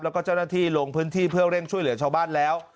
แล้วก็เจ้าหน้าที่ลงพื้นที่เพื่อเร่งช่วยเหลือชาวบ้านแล้ว